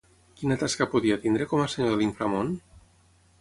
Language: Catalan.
Quina tasca podia tenir com a senyor de l'inframon?